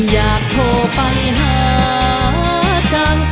อยากโทรไปหาจัง